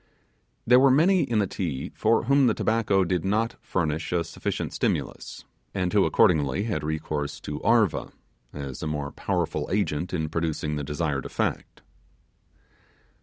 There were many in the Ti for whom the tobacco did not furnish a sufficient stimulus, and who accordingly had recourse to 'arva', as a more powerful agent in producing the desired effect.